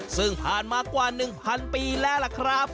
ซึ่งผ่านมากว่า๑๐๐ปีแล้วล่ะครับ